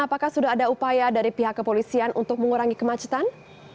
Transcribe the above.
apakah sudah ada upaya dari pihak kepolisian untuk mengurangi kemacetan